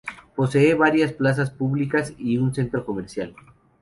Posee varias plazas públicas y un centro comercial.